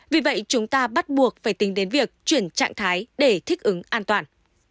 vì vậy chúng ta bắt buộc phải tính đến việc chuyển trạng thái để thích ứng an toàn